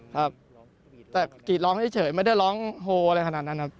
ครับแต่กรีดร้องเฉยไม่ได้ร้องโฮอะไรขนาดนั้นครับ